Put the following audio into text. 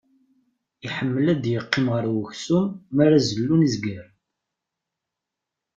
Iḥemmel ad yeqqim ɣer uksum m'ara zellun izgaren.